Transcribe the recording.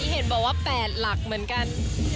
เห็นบอกว่า๘หลักเหมือนกัน